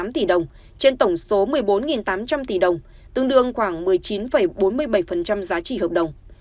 hai tám trăm tám mươi hai tám tỷ đồng trên tổng số một mươi bốn tám trăm linh tỷ đồng tương đương khoảng một mươi chín bốn mươi bảy giá trị hợp đồng